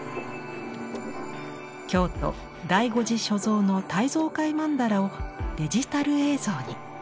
京都醍醐寺所蔵の胎蔵界曼荼羅をデジタル映像に。